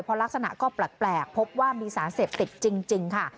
เพราะลักษณะก็แปลกพบว่ามีสารเสพติดจริงค่ะ